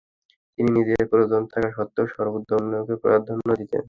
তিনি নিজের প্রয়োজন থাকা সত্ত্বেও সর্বদা অন্যকে প্রাধান্য দিতেন।